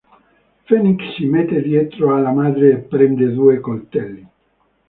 Fenix si mette dietro alla madre e prende due coltelli.